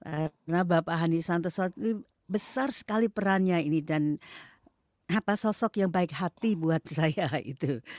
karena bapak hani santoso besar sekali perannya ini dan sosok yang baik hati buat saya itu